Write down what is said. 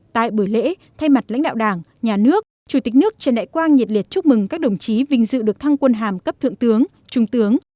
tại buổi lễ thay mặt lãnh đạo đảng nhà nước chủ tịch nước trần đại quang nhiệt liệt chúc mừng các đồng chí vinh dự được thăng quân hàm cấp thượng tướng trung tướng